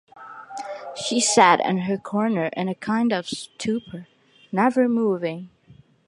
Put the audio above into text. She sat in her corner in a kind of stupor, never moving.